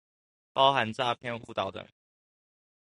包含詐騙誤導等